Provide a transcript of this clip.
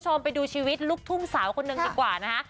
คุณผู้ชมไปดูชีวิตลูกทุ่งสาวคนหนึ่งดีกว่านะคะ